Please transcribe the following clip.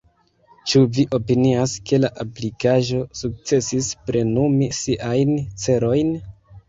Ĉu vi opinias ke la aplikaĵo sukcesis plenumi siajn celojn?